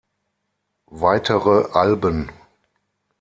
Weitere Alben